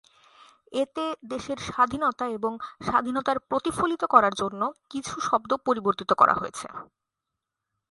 এতে দেশের স্বাধীনতা এবং স্বাধীনতার প্রতিফলিত করার জন্য কিছু শব্দ পরিবর্তিত করা হয়েছে।